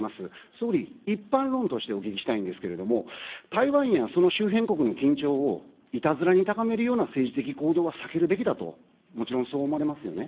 総理、一般論としてお聞きしたいんですけれども、台湾やその周辺国の緊張を、いたずらに高めるような政治的行動は避けるべきだと、もちろんそう思われますよね。